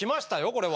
これは。